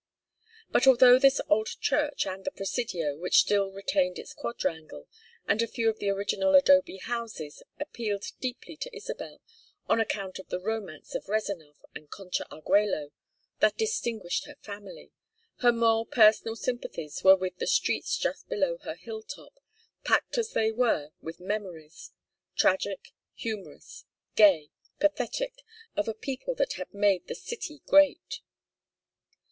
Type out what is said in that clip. But although this old church and the Presidio, which still retained its quadrangle and a few of the original adobe houses, appealed deeply to Isabel on account of the romance of Rezánov and Concha Argüello that distinguished her family, her more personal sympathies were with the streets just below her hill top, packed as they were with memories, tragic, humorous, gay, pathetic, of a people that had made the city great.